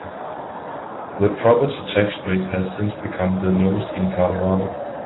The property tax rate has since become the lowest in Colorado.